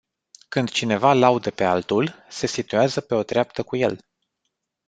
Când cineva laudă pe altul, se situează pe o treaptă cu el.